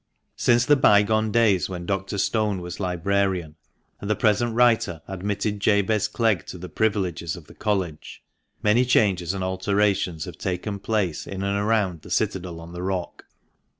FINAL APPENDIX. 469 Since the bygone days when Dr. Stone was librarian, and the present writer admitted Jabez Clegg to the privileges of the " College," many changes and alterations have taken place in and around the citadel on the rock.